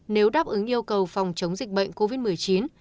nếu đáp ứng yêu cầu phòng chống dịch bệnh covid một mươi chín